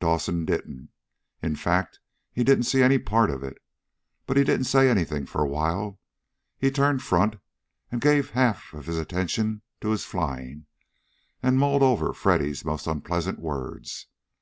Dawson didn't. In fact, he didn't see any part of it. But he didn't say anything for a while. He turned front, and gave half of his attention to his flying, and mulled over Freddy's most unpleasant words.